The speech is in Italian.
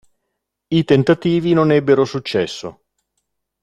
I tentativi non ebbero successo.